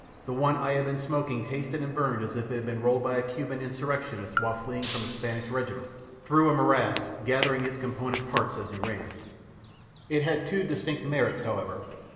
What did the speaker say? The one I had been smoking tasted and burned as if it had been rolled by a Cuban insurrectionist while fleeing from a Spanish regiment through a morass, gathering its component parts as he ran. It had two distinct merits, however.